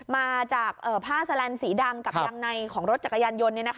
มาจากผ้าแสลนสีดำกับยางในของรถจักรยานยนต์